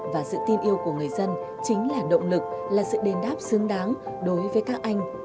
và sự tin yêu của người dân chính là động lực là sự đền đáp xứng đáng đối với các anh